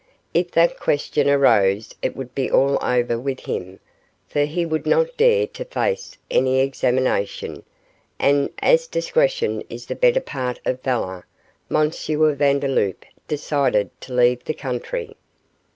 If that question arose it would be all over with him, for he would not dare to face any examination, and as discretion is the better part of valour, M. Vandeloup decided to leave the country.